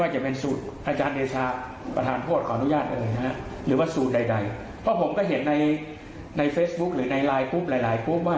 อย่าโทรไปอีกนะคะ